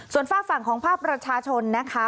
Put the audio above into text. ส่วนฝากฝั่งของภาคประชาชนนะคะ